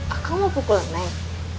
akang mau pukul neng